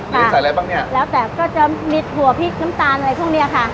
มีใส่อะไรบ้างเนี้ยแล้วแต่ก็จะมีถั่วพริกน้ำตาลอะไรพวกเนี้ยค่ะ